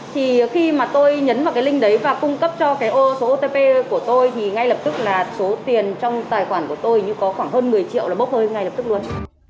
thì khi mà tôi nhấn vào cái link đấy và cung cấp cho cái ô số otp của tôi thì ngay lập tức là số tiền trong tài khoản của tôi có khoảng hơn một mươi triệu là bốc hơi ngay lập tức luôn